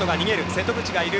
瀬戸口がいる。